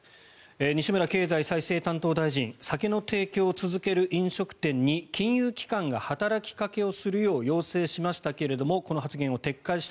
西村経済再生担当大臣酒の提供を続ける飲食店に金融機関が働きかけをするよう要請しましたけれどこの発言を撤回した